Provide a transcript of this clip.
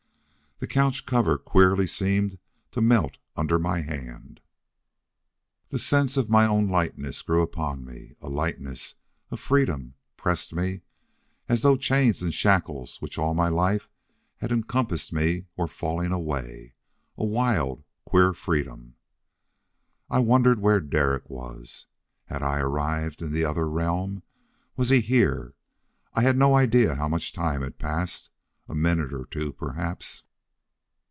The couch cover queerly seemed to melt under my hand! The sense of my own lightness grew upon me. A lightness, a freedom, pressed me, as though chains and shackles which all my life had encompassed me were falling away. A wild, queer freedom. I wondered where Derek was. Had I arrived in the other realm? Was he here? I had no idea how much time had passed: a minute or two, perhaps.